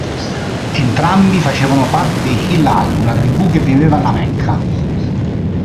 Entrambi facevano parte dei Hilal, una tribù che viveva alla Mecca.